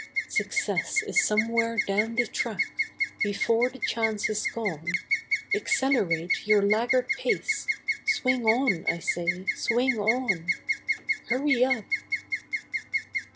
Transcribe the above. Success is somewhere down the track; Before the chance is gone Accelerate your laggard pace, Swing on, I say, swing on— Hurry up!